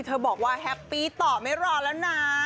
บอกว่าแฮปปี้ต่อไม่รอแล้วนะ